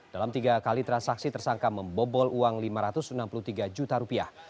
dalam tiga kali transaksi tersangka membobol uang lima ratus enam puluh tiga juta rupiah